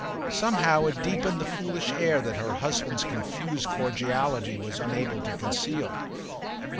Somehow it deepened the foolish air that her husband's confused cordiality was unable to conceal.